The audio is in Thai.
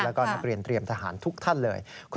แล้วก็นักเรียนเตรียมทหารทุกท่านเลย